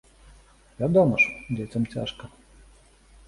Вядома ж, дзецям цяжка.